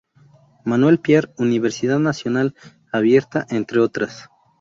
Manuel Piar, Universidad Nacional Abierta, entre otras.